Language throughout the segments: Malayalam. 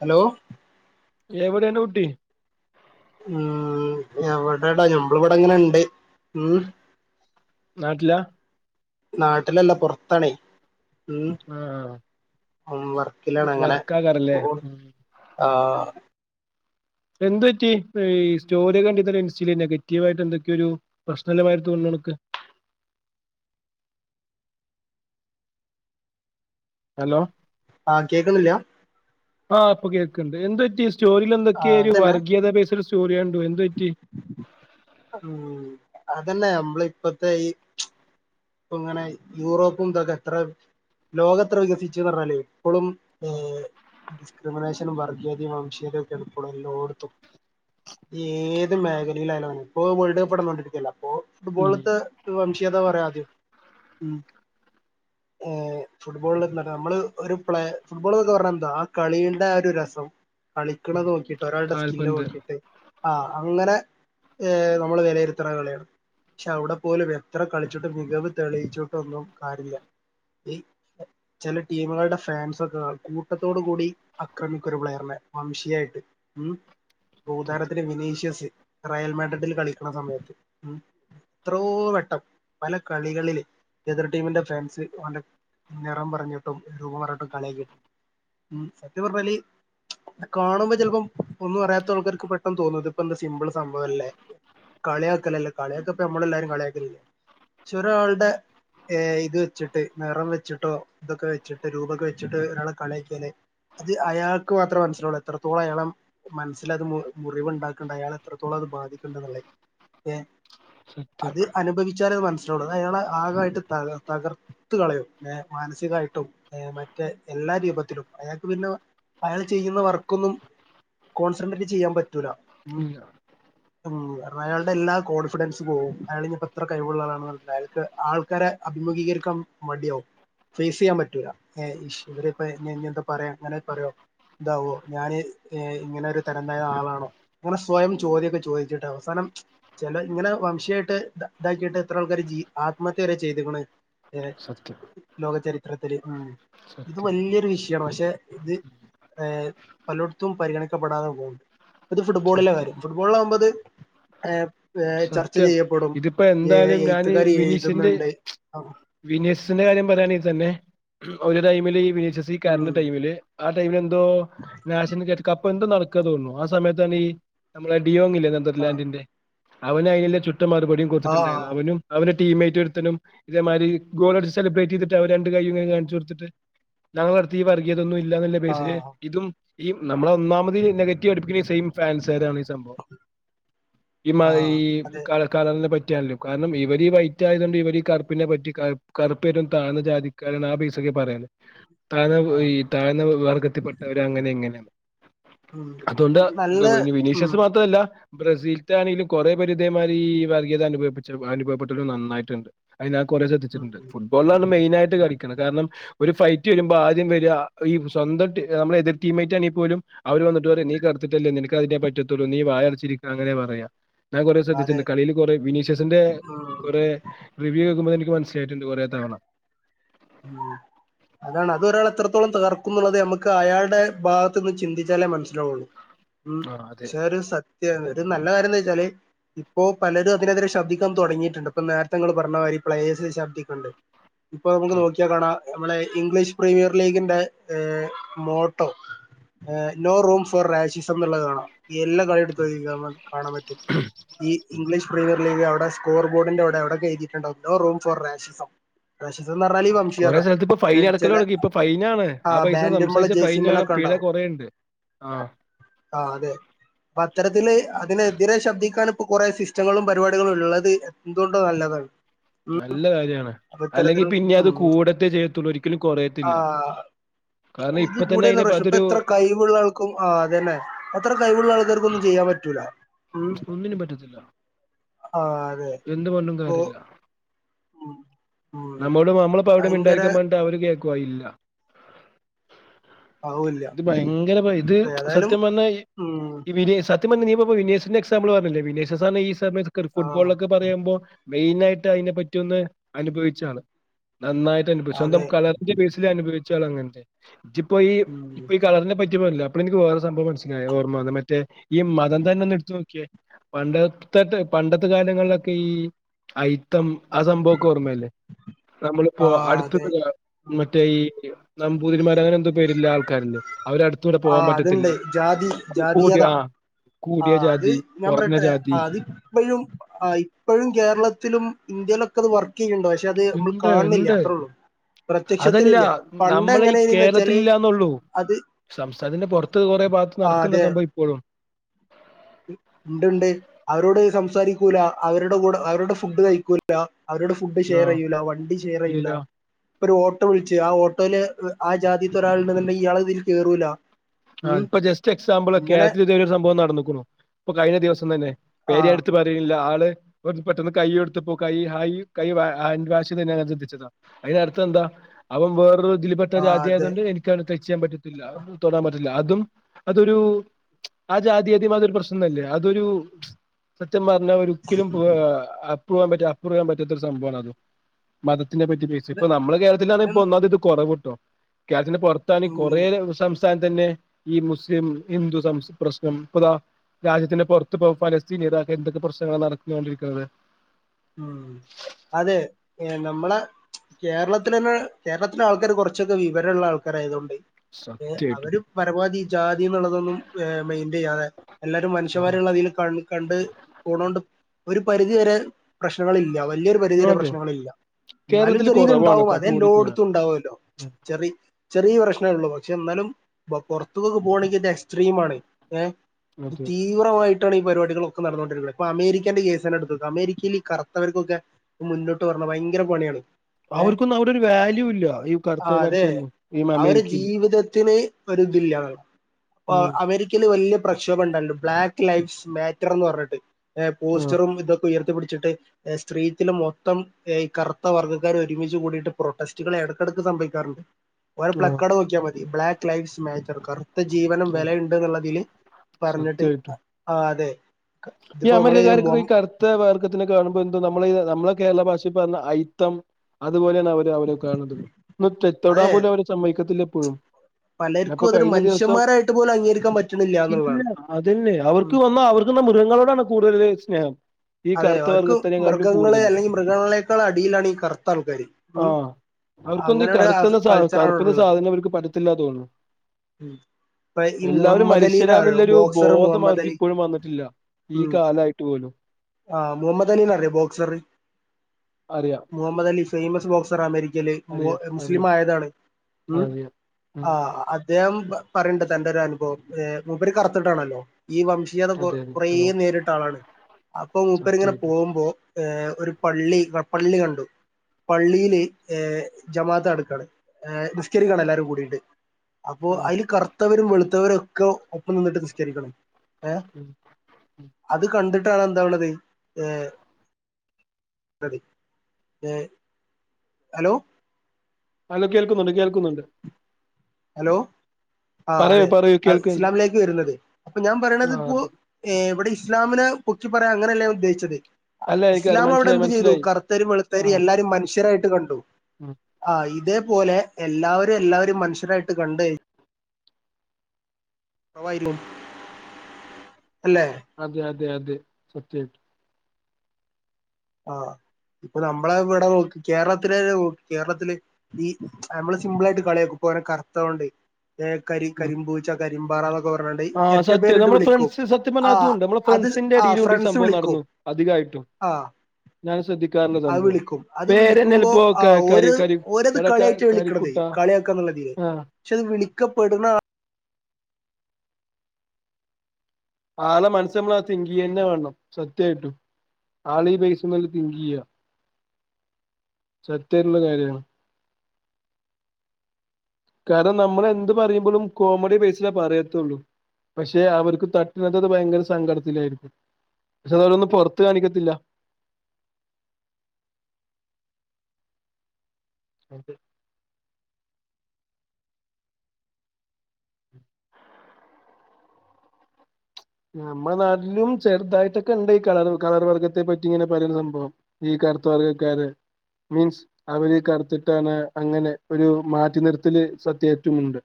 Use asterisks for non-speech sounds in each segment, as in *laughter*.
ഹലോ എവിടെണ് കുട്ടി ഹാ എവിടെടാ ഞമ്മള് ഇവ്ടങ്ങന്ണ്ട് നാട്ടിലാ നാട്ടിലല്ല പൊറത്താണേ മം ആ അം വർക്കിലാടാ അങ്ങനെ വർക്കാകാറല്ലേ പോണു ആ എന്ത് പറ്റി ഈ സ്റ്റോറി കണ്ടതന്നെ ഇൻസ്റ്റയില് നെഗറ്റീവായിട്ട് എന്തൊക്കെ ഒരു പ്രശ്നം ഉള്ള മാതിരി തോന്നുന്ന കണക്ക് ഹലോ ആ കേക്കണില്ല ആ ഇപ്പ കേക്കണ്ട് എന്ത് പറ്റി സ്റ്റോറീലെന്തക്കെയോ ഒരു അതന്നെ വർഗീയത *unintelligible* സ്റ്റോറി കണ്ടു എന്ത് പറ്റി മം അതന്നെ നമ്മള് ഇപ്പത്ത ഈ *unintelligible* ഇങ്ങനെ യൂറോപ്പും ഇതൊക്കെ എത്ര ലോകെത്ര വികസിച്ചൂന്ന് പറഞ്ഞാലേ ഇപ്പളും ഈ ആ, *unintelligible* *unintelligible* വർഗീയതയും വംശീതയും ഒക്കെ ആണ് ഇപ്പളും എല്ലോടത്തും ഏത് മേഖലയിലാണ് ഇപ്പൊ വേൾഡ്വെപ്പ് നടന്നോണ്ടിരിക്കല്ലേ *unintelligible* ഉം ഇതുപോലത്തെ വംശീയതാ *unintelligible* മം ആ ഫുഡ്‌ബോൾ *unintelligible* നമ്മള് ഒരു പ്ലേ ഫുഡ്‌ബോൾ എന്ന് പറയണ എന്താ ആ കളീന്റെ ഒരു രസം ഉം. കളിക്കണത് നോക്കി ഒരാളുടെ സ്കില്ല് കാൽപന്ത് നോക്കീട്ട് ആ അങ്ങനെ ഏഹ് നമ്മള് വെലയിര്ത്ത്ണ കളിയാണ് ക്ഷെ അവിടെപോലും എത്ര കളിച്ചിട്ടും മികവ് തെളിയിച്ചിട്ടൊന്നും കാര്യല്ല ഈ ചെല ടീമുകളുടെ ഫാൻസൊക്കെ കൂട്ടത്തോടുകൂടി അക്രമിക്കും ഒരു പ്ലെയറിനെ വംശീയായിട്ട് ഉം പൂന്താനത്തിന് വിനീശ്യസ് റെയൽമാൻ *unintelligible* കളിക്ക്ണ സമയത്ത് എത്രോ വെട്ടം പല കളികളില് എതിർ ടീമിന്റെ ഫാൻസ് അവന്റെ നെറം പറഞ്ഞിട്ടും രൂപം പറഞ്ഞിട്ടും കളിയാക്കി ഉം സത്യം പറഞ്ഞാല് കാണുമ്പോ ചെൽപ്പം ഒന്നും അറിയാത്ത ആൾക്കാർക്ക് പെട്ടെന്ന് തോന്നുന്നത് ഇപ്പ എന്താ സിമ്പിള് സംഭവല്ലേ കളിയാക്കലല്ലാ കളിയാക്കപ്പം നമ്മളെല്ലാരിം കളിയാക്കലില്ലേ പക്ഷ ഒരാളുടെ ഏ ഇത് വെച്ചിട്ട് നെറം വെച്ചിട്ടോ ഇതൊക്കെ വെച്ചിട്ട് രൂപൊക്കെ വെച്ചിട്ട് ഒരാളെ കളിയാക്കിയാല് അത് അയാൾക്ക് മാത്രേ മനസ്സിലാവുള്ളൂ എത്രത്തോളം അയാളാ മനസ്സിലത് മുറിവ് ഇണ്ടാക്ക്ണ്ട് അയാളെ എത്രത്തോളം അത് ബാധി ക്ക്ന്ന് ന്ന്ള്ളേ ഏ സത്യം അത് അനുഭവിച്ചാലേ മന സിലാവുള്ളു അത് അയാളെ ആകായിട്ട് തകർ തകർത്ത് കളയും ഏ മാനസികമായിട്ടും ഏ മറ്റേ എല്ലാ രൂപത്തിലും അയാൾക്ക് പിന്നെ അയാൾ ചെയ്യുന്ന വർക്കൊന്നും കോൺസെൻട്രേറ്റ് ചെയ്യാൻ പ റ്റൂല മ് ഇല്ല മ് കാരണം അയാളുടെ എല്ലാ കോൺഫിഡൻസ് പോവും അയാളിനിപ്പോ എത്ര കഴിവുള്ള ആളാണ് *unintelligible* അയാൾക്ക് ആൾക്കാരെ അഭിമുഖീകരിക്കാൻ മടിയാവും ഫേസെയ്യാൻ പറ്റൂല്ലാ ഏ ഇശ് ഇവര് ഇപ്പ ഇഞ്ഞ് എന്താ പറയാ ഇങ്ങനെ പറയോ ഇതാവോ ഞാന് ഇങ്ങനെ ഒരു തരംതാണ ആളാണോ അങ്ങനെ സ്വയം ചോദ്യോക്കെ ചോദിച്ചിട്ട് അവസാനം ചില ഇങ്ങനെ വംശീയിട്ട് ഇതാക്കിയിട്ട് ഇത്ര ആൾക്കാര് ജീ ആത്മഹത്യ വരെ ചെയ്ത്ക്ക്ണ് ഏ സത്യം ലോകചരി *unintelligible* ഉം ഇത് സത്യം വല്യൊരു വിഷയാണ് പക്ഷെ ഇത് പലോട്ത്തും പരിഗണിക്കപ്പെടാതെ പോവ്ണ്ട് ഇത് ഫുട്ബോളിലെ സത്യം കാര്യം ഫുട്ബോളാവു ത് ഏ സത്യം ഇതിപ്പോ എന്തായാലും ഞാൻ എഴുത്തുകാര് വിനീശന്റെ എഴുതുന്നുണ്ട് ആഹ് വിനീശന്റെ കാര്യം പറയാണെങ്കി തന്നെ ഒരു ടൈമില് വിനീ ഉം ജെയ്കാരൻ്റെ ടൈമില് ആ ടൈമില് എന്തോ നാഷണൽ *unintelligible* കപ്പ് എന്തോ നടക്കാ തോന്നുണു ആ സമയത്താണ് ഈ നമ്മളെ ഡിയോ *unintelligible* ആഹ് നെതർലാൻറിന്റെ അവന് അയില് ചു ചുട്ട മറുപടിയും കൊടുത്തിട്ടുണ്ടായി ആഹ് അവനും അവ ടീംമേറ്റ് *unintelligible* ഇതേ മാതിരി ഗോളടിച്ച് സെലിബ്രേറ്റ് ചെയ്തിട്ട് അവര് രണ്ട് കയ്യും കാണിച്ച് കൊടുത്തിട്ട് *unintelligible* വർഗീയ ഇതൊന്നും ഇല്ലാതല്ല ബേസിലെ ആഹ് ഇതും ഈ നമ്മള് ഒന്നാമത് നെഗ റ്റീവ് അടിപ്പിക്കുന്നത് ഈ സെയിം ഫാൻസ്കാരാണ് ഈ സംഭവം മായി ആഹ് അതെ കാല കാല *unintelligible* പറ്റിയാണല്ലോ കാരണം ഇവര് ഈ വൈറ്റായത് കൊണ്ട് ഇവര് കറുപ്പിനെ പറ്റി കറുപ്പ്‌ ഏറ്റവും താണ ജാതിക്കാരൻ ആ ബേസൊക്കെയാ പറയുന്നേ താഴ്ന്ന ആഹ് താഴ്ന്ന വർഗത്തിൽപ്പെട്ടവര് അങ്ങനെയാ ഇങ്ങനെയാ ഉം അതുകൊണ്ട് ഇപ്പം നല്ല ഉം വിനീഷസ് മാത്രവല്ലാ ബ്രസീൽ ആണെങ്കിലും കൊറേ പേര് ഇതേമാതിരി ഈ വർഗീത അനുഭവിപ്പിച്ചു അനുഭവപ്പെട്ടും നന്നായിട്ടുണ്ട് അതിനാ കൊറേ ഉം ശ്രദ്ധിച്ചിട്ടുണ്ട്. ഉം ഫുട്ബോളിലാണ് മെയിനായിട്ട് കളിക്കുന്നത് കാരണം ഒരു ഫൈറ്റ് വരുമ്പോ ആദ്യം വരിക ഈ സ്വന്തം നമ്മടെ എതിർ ടീമായിട്ട് ആണേ പോലും അവര് വന്നിട്ട് പറയും നീ കറത്തിട്ടല്ലേ നിനക്ക് അതിനെ പറ്റത്തുള്ളൂ നീ വായ അടച്ചിരിക്കുക അങ്ങനെയാ പറയാ. ഞാൻ കൊറേ അതെ ശ്രദ്ധിച്ചിട്ടുണ്ട് കളിയയില് കുറെ വിനീഷസിന്റെ ഉം കൊറേ റിവ്യൂ കേക്കുമ്പോ ത ക്ക് മനസ്സിലായിട്ടുണ്ട് കൊറേ തവണ ഉം അതാണ് അത് ഒരാളെ എത്രത്തോളം തകർക്കുന്നുള്ളത് നമ്മക്ക് അയാളുടെ ഭാഗത്ത് നിന്ന് ചിന്തിച്ചാലേ മനസ്സിലാവുള്ളു ഉം ആ അതെ. ശരി സ ന്നെയാ അത് നല്ല കാര്യന്ന് വെച്ചാല് ഇപ്പോ പലരും അതിനെതിരെ ശബ്ദിക്കാൻ തുടങ്ങിയിട്ടുണ്ട്. ഇപ്പൊ നേരത്തെ നിങ്ങള് പറഞ്ഞ മാതിരി പ്ലെയേഴ്സ് ശബ്ദിക്കണ്ട് പ്പൊ നമ്മള് ആ റോ അ നമ്മളെ ഇംഗ്ലീഷ് പ്രീമിയർ ലീഗിന്റെ a motto a no room for റാശിസംന്നുള്ളതാണോ എല്ലാ കളിയെടുത്ത് *unintelligible* കാണൻ പറ്റും ഈ ഇംഗ്ലീഷ് പ്രീമിയർ ലീഗ് അവിടെ ശ് സ്കോർ ബോർഡിന്റെ അവിടെ അവിടെക്കെയ്‌തിട്ട്ണ്ടാവും നോ റൂം ഫോർ റാഷിസം റാഷിസംന്നർഞ്ഞാല് കൊറേ ക്യറ സ്ഥലത്ത് ഇപ്പൊ ഫൈൻ എൻ അടക്കല് ചെല തൊടങ്ങി. ഇപ്പൊ ഫൈനാണ്. ആ പൈസ ബാന്റ്മ്മലോ സംസാരിച്ച ഫൈനാണ് ജയ്‌സിമ്മലൊക്കെ പിഴ ണ്ടാവും. കൊറേണ്ട്. ആ. ആ അതെ പത്രത്തില് അതിനെതിരെ ശബ്ദിക്കാന് ഇപ് പ്പൊ കുറേ സിസ്റ്റങ്ങളും പരിപാടികളും ഉള്ളത് എന്തുകൊണ്ടും നല്ലതാണ് ഉം നല്ല കാര്യാണ് അല്ലെങ്കി പിന്നെ അത് കൂട് ആഹ് കാരണം തി ഇപ്പൊ തന്നെ കൂടെലോ അതിനെ പ- പ്രശ്നം പ്പൊ അതൊരു എത്ര കൈവുള്ള ആൾക്കും ആ അതന്നെ അത്ര കൈവുള്ള ആൾക്കാർക്കൊന്നും ചെയ്യാൻ പറ്റൂല ഉം ഒന്നിനും പറ്റത്തില്ല ആ അതെ എന്ത് കൊണ്ടും ഇപ്പൊ കാര്യല്ല ഉം ഉം നമ്മളും നമ്മളിപ്പൊ അവിടെ മി ഭയങ്കര ണ്ടായിരിക്കാൻപർന്ട്ട് അവര് കേ കൊയില്ല ആവില്ല ഇത് ഭയങ്കരപ ഇത് ഏതായാലും സത്യം പർഞ്ഞാ ഈ ഉം ഇവിരി സത് ത്യം പർഞ്ഞ നീ ഇവോ പൊ വിനീസ്ന് എക്‌സാമ്പ്ള് പർഞ്ഞില്ലെ ദ ബെസ്‌കർ ആ ഫുട്ബോളൊക്കെ പറയുമ്പോ മെയിനായിട്ട് അയിനെ പറ്റി ഒന്ന് അനുഭവി ച്ചാള് നന്നായിട്ട്നുഭവ് സ്വന്തം അതെ കളറ് ജ്ജ് ബേസില് അനുഭവി ഇറ്റളെങ്ങൻതെൻ ജ്ജി പ്പോ ഈ ഉം പ്പൊ ഇ കളർനെ പറ്റ് ജ്ജ് പൊല്ല അപ്പളെങ്കിലു ഓറെ സംഭവൻസ്സിലായൊ ഓർമ്മ ന്ന മറ്റേ ഈ മതം തന്നെ ഒന്ന് എട്ത്തോക്ക്യാ പണ്ടത്തത്തെ പണ്ടത്തെ കാലങ്ങളിലൊക്കെ ഈ ഐത്തം അ സംമ്പോക്കെ ഓർമ്മേല്ലെ നമ്മളിപ്പോ ആ അതെ അടുത്തിന്ന്ത് കാ ഉം മറ്റേ ഈ നമ്പൂതിരിമാര് അങ്ങനെ എന്തോ പേരില്ല ആൾക്കാരില്ലേ അവര് അടുത്തൂടെ ആ പോവാൻ പറ്റത്തില്ല അതുണ്ട് ജാതി അപ്പൊ കൂട്ടിയ ജാതീയത ആ ആ കൂടിയ അത് ജാതി, ഞാൻ കുറഞ്ഞ പറയട്ടെ ജാതി അത് പ്പഴും ആ ഇപ്പഴും കേരളത്തിലും ഇന്ത്യയിലൊക്കത് വർകി ഇണ്ട് ഇണ്ട് അതല്ല പ്രത്യക്ഷത്തിലില്ല പണ്ട് നമ്മളെ ഈ എങ്ങനെയായിന്ന് വെച്ചാല് കേരളത്തില്ലാന്നൊള്ളൂ അത് സംസ്ഥാൻത്തിന്റെ പുറത്ത് കൊറേ ഭാഗത്ത് നടക്ണ്ട് സംഭവം ഇപ്പഴും ഉണ്ട് ണ്ട് അവരോട് സംസാരിക്കൂല അവരുടെ കൂടെ അവരുടെ ഫുഡ് കഴിക്കൂല അവരോട് ഫുഡ് ആ ഷെയറെയ്യൂല വണ്ടി ഇല്ല ഷെയറെയ്യൂലാ പ്പൊരു ഓട്ടോ വിളിച്ച് ആ ഓട്ടോയില് വ് ആ ജാതീത്തെ ഒരാള്ണ്ട്ന്നെങ്കി അയാള് അതിൽ കേറൂല ആഹ് ഉം ഇപ്പൊ ജസ്റ്റ് എക്സാമ്പിളൊക്കെ ഇങ്ങനെ അത് ഇതെരെ ഒരു സംഭവം നടന്നു കുണു. പ്പൊ കഴിഞ്ഞ ദിവസം തന്നെ ആ പേര് എടുത്ത് പറയില്ല ആള് പെ പെട്ടെന്ന് കൈ എടുത്ത്പ്പോ കൈ ഹയ് കൈ വാ കൈ ഹാൻവാസ് അങ്ങനെ ശ്രദ്ധിച്ചതാ അതിനർത്ഥം എന്താ അവൻ വേറൊരു ഇതിൽ പെട്ട ആ ജാതി അതെ ആയുകൊണ്ട് എനിക്ക് അയാളെ ടെച്ച് ചെയ്യാൻ പറ്റത്തില്ല തൊടാൻ പറ്റ തും അതൊരു ആ ജാതിഒരുമാതിരി പ്രശ്നംഉണ്ടാവില്ലേ അതൊരു. സത്യം പറഞ്ഞ ഒരിക്കലും പോ ആ. പോവാൻപറ്റ അപ്പുറാൻ പറ്റാത്ത ഒരു സംഭവമാണ് അത് മത തിനെ പറ്റി ഇത് ഇ നമ്മുടെ കേരളത്തിലാണ് ഇതും ഇപ്പോ ഒന്നാമത് ഇത് കുറവ്ട്ടോ? കസിൻ. പൊറത്താണ് ഉം കുറെ തന്നെ ഈ മുസ്ലിം ഹിന്ദു സം പ്രശ്നം ഇപ്പതാ രാജ്യത്തിന്റെ പുറത്ത് പോ ഫലസ്തീൻ നേതാക്കൾ എന്തൊക്കെ പ്രശ്നങ്ങളാണ് നടക്കോണ്ടിരിക്കുന്നത്. ഉം അതെ നമ്മളെ കേരളത്തിൽ തന്നെ കേരളത്തിലെ ആൾക്കാര് കുറച്ചൊക്കെ വിവരമുള്ള ആൾക്കാരായതുകൊണ്ട്. ഏർ സത്യായിട്ടും അവര് പരമാവധി ജാതി എന്നുള്ളതൊന്നുംമെയിന്റ് ചെയ്യാതെ എല്ലാരും ആഹ് മനുഷ്യമാരെയുള്ള അതിൽ ക കണ്ട് പോണോണ്ട്. ഒരു പരിധിവരെ പ്രശ്നങ്ങളിൽ വലിയൊരു പരിധി വരെ അതോ പ്രശ്നങ്ങൾ ഇല്ല എന്നാലും കേരളത്തിൽ ചെറിയ കുറവാണ് ഇത്ണ്ടാവും അത് കൂടിപ്പോയ എല്ലോട്ത്തും ഉണ്ടാവുമല്ലോ ചെറ ചെറിയ പ്രശ്നെ ഉള്ളു. പക്ഷെ എന്നാലും പോ പോറത്തക്ക്ഒക്കെ പോകണെങ്കിൽ അത് എക്സ്ട്രീം ആണ്. ഏ അത് അതെ തീവ്രമായിട്ട് വിട്ടാണ് പരിപാടികളൊക്കെ നടന്നുകണ്ടിരിക്കുന്നത് ഇപ്പ അമേരിക്കന്റെ കേസെന്നെ എടുത്തു വെക്ക അമേരിക്കയിൽ. കറുത്തവർക്കൊക്കെ മുന്നോട്ട് വരണം ഭയങ്കര പണിയാണ്. ഏ അവർക്കൊന്നും അവിടെ ഒരു വാല്യൂ ഇല്ല ഈ ആ അതെ കറുത്തവന്മാർക്കൊന്നും ഈ അവര് അമേരിക്കയില് ജീവിതത്തിന് ഒരു ഇതില്ല അപ്പൊ ഉം അമേരിക്കയില് വലിയ പ്രശ്നം. ണ്ടല്ലോ ബ്ലാക്ക് ലൈഫ്സ് മാറ്റർന്ന് പറഞ്ഞിട്ട്. ഏ ആഹ് പോസ്റ്ററും ഇതൊക്ക ഉയതിർപ്പെടുത്തി ചിട്ടെ. *unintelligible* സ്ത്രീത്തിൽ മൊത്തം ഏ കറുത്ത വർഗ്ഗക്കാർ ഒരുമിച്ച് കൂടിട്ട് പ്രൊട്ടസ്റ്റുകൾ എടക്കിടയ്ക്ക് സംഭവിക്കാറുണ്ട്. ഓലെ ആഹ് പ്ളെക്കട് നോക്കിയ മതി. Black lives മെചർക്കറോ? ജീവനം വലയുണ്ട് എന്നുള്ളതിൽ പറഞ്ഞിട്ട് സത്യായിട്ടും ആ അതെ. ഈ ഇതിപ്പോ നമ്മള് അമേരിക്കക്കാരൊക്കെ ഈ കറുത്ത വർക്കത്തിനെകാളും. പ്പെന്ത് നമ്മള് ഇത് നമ്മള് കേരള ഭാഷേ പറഞ്ഞ അയിത്തം അതുപോലെണ് അവ അവർ കാണുന്നത് ടെ തെടാൻ അതെ പോലും അവർ സമ്മായ്ക്കത്തില്ല. പ്. പലർക്കും അതൊരു മനുഷ്യന്മാരായിട്ട് പോലും അംഗീകരിക്കാൻ പറ്റുണില്ല ഇല്ല എന്നുള്ളതാണ് അതന്നെ ഉം. അവർക്ക് വന്നാ അവർക്കെന്നാ മൃഗങ്ങളോടാണ് കൂടുതൽ സ്നേഹം. ഈ അതെ. കറുത്ത അവർക്ക് വർഗത്തിനെക്കാട്ടിലും മൃഗങ്ങളെ കൂടുതല്. അല്ലെങ്കിൽ മൃഗങ്ങളെക്കാൾ അടിയിലാണ് ഈ കറുത്ത ആൾക്കാര്. ഉം, ആഹ് അവർക്കൊന്നും ഈ അങ്ങനെരു കറുത്തെന്ന സാ കറുപ്പെന്ന കൾച്ചറാണ്ള്ളത്. സാധനം അവർക്ക് പറ്റത്തില്ലാ തോന്നുന്നു. ഉം ഇപ്പ ഈ എല്ലാവരും മുഹമ്മദ് അലി അറിയോ? Boxer Muhammad Ali. ഇല്ല ഈ ഉം കാലായിട്ട് പോലും ആ മുഹമ്മദ് അനീനെ അറിയോ ബോക്സർ അറിയാം മുഹമ്മദ് ഫെയ്മസ് ബോക്സർ അമേരി ക്കയില് അറിയാം മുസ്ലിം അറിയാം ആയതാണ് ഉം അറിയാം ഉം ആ അദ്ദേഹം പറയണ്ട തന്റെ ഒരു അനുഭവം മൂപ്പര് കറത്തിട്ടാണല്ലോ ഈ വംശീയത കൊ അതെ അതെ കൊറേ ആഹ് നേരിട്ട ആളാണ്. ഇപ്പോ മൂപ്പരിങ്ങനെ സത്യായിട്ടും പോവുമ്പോ ഏ ഒരു പള്ളി പള്ളി കണ്ടു. പള്ളിയില് ഏ ജമാഅത്ത് നടക്കുവാണ്. നിസ്കരിക്കാണ് എല്ലാരും കൂടിയിട്ട്. അപ്പൊ ആഹ് അതിൽ കറുത്തവരും വെളുത്തവരും ഒക്കെ ഒന്നിങ്ങട്ടു നിസ്കരിക്കണം ഏ ഉം അത് കണ്ടിട്ട് ഹലോ ഹലോ കേൾക്കുന്നുണ്ട് കേൾക്കുന്നുണ്ട് ഹലോ ആ പറയൂ അതേ പറയൂ കേൾക്കുന്നുണ്ട് ഇസ്ലാമിലേക്ക് വരുന്നത് അപ്പൊ ഞാൻ പറയണത് ആ ഇപ്പൊ അത് എവിടെ ഇസ്ലാമിനെ പൊക്കി പറയുക അങ്ങനല്ല ഞാൻ ഉദ്ദേശിച്ചത്. അല്ല എനിക്കത് ഇസ്ലാം അവിടെ മനസ്സിലായി എന്ത് ചെയ്തു മനസ്സിലായി കറുത്തവരെയും ആ വെളുത്തവരെയും എല്ലാരേയും മനുഷ്യരായിട്ട് കണ്ടു. ഉം ആ ഇതേ പോലെ എല്ലാവരും എല്ലാവരും മ *unintelligible* കണ്ട് കൈ *unintelligible* അല്ലെ *unintelligible* ആ ഇപ്പൊ നമ്മളെ വിടെ നോക്ക് കേരളത്തില ന കേരളത്തില് ഈ നമ്മള് സിമ്പിളായിട്ട് കളിയാ ക്കും ഇപ്പൊ അവ നെ കറുത്തൊണ്ട് ഏ കരി കരിമ്പൂച്ച കരി ധിം ബാറാ ബ ക് ആഹ് സത്യം നമ്മെ ഫ്രണ്ട്സ് സത്യം പറഞ്ഞ അതും ആഹ് ണ്ട് നമ്മൾ അത് ഫ്രണ്ട്സിന്റെ ആഹ് അടിയിലുണ്ട് ഈ ഫ്രണ്ട്സ് സംഭവം വിളിക്കും നടന്നു അധികാ യിട്ടും ആഹ് അത് വിളിക്കും അത് പേരെന്നെ വിളിക്കുമ്പോ ഇപ്പോ ആ ക കരി കരി ഒ രത് എടാ ക കളിയായിട്ടാ വിളിക്കണത് കരിക്കുട്ട കളിയാ ക്കാന്നുള്ളതില് ആ പക്ഷെ അത് വിളിക്കപ്പെെടുന്നആള് ആളെ മനസ്സമ്മള് തിങ്ക് യ്യന്നെ വേണം സത്യാ യിട്ടും ആള് ഈ ബേയ്സുമ്മൽ തിങ്ക് യ്യ സത്യാ യിട്ടുള്ള കാര്യാ ണ് കാരണം നമ്മൾ എന്ത് പറയുമ്പോഴും കോമഡി ബേസിലേ പറയത്തുള്ളൂ പക്ഷെ അവർക്ക് തട്ടിനത്തത് ഭയങ്കര സങ്കടത്തിലായിരിക്കും പക്ഷെ അത് അവരൊന്നും പുറത്ത് കാണിക്കത്തില്ല അതെ നമ്മളെ നാട്ടിലും ചെറുതായിട്ടൊക്കെ ണ്ട് ഈ കളർ കളർ വർഗത്തെ പറ്റി ഇങ്ങനെ പറയുന്ന സംഭവം ഈ കറുത്ത വർഗക്കാര് മീൻസ് അവര് കറുത്തിട്ടാണ് അങ്ങനെ ഒരു മാറ്റി നിർത്തൽ സത്യാ യി റ്റുമുണ്ട്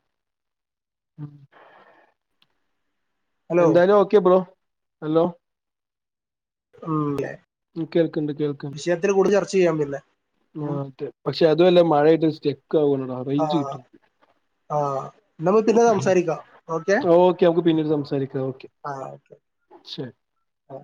ഹലോ എന്തായാലും ഓക്കിയബ്ലോ ഹലോ ഉം ല്ലേ കേൾക്കണ്ട് വിഷയത്തിൽ കൂടി ചർച്ച ചെയ്യാ പിന്നെ ഉം ആതെ പക്ഷെ അതു അല്ല മഴട്ട് ച ആ റയ്ഞ്ച് കിട്ട് ആ നമ്മ പിന്നെ സംസാരിക്കാം ഓക്കെ നമക്ക് പിന്നീട് സംസാരിക്കാം ഒക്കെ ആ ഓക്കെ ശരി ആ